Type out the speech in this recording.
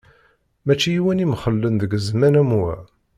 Mačči yiwen i imxellen deg zzman am wa.